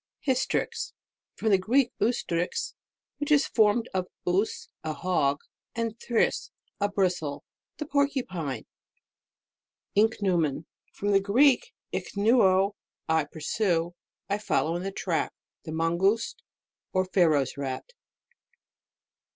HYSTRIX. From the Greek, ustrix. which is formed of us, a hog, and thrix, a bristle. The Porcupine. INCHNEUMON. From the Greek, ich neud, I pursue, I follow in the track. The Mangouste, or Pharaoh's nt.